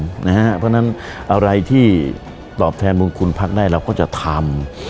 เพราะฉะนั้นอะไรที่ตอบแทนบุญคุณพักได้เราก็จะทำ